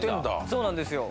そうなんですよ。